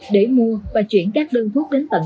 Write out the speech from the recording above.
để mua và chuyển các đơn thuốc đến tận